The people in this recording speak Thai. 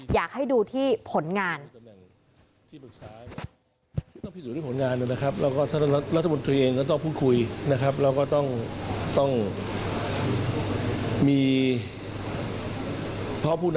อยากให้ดูที่ผลงาน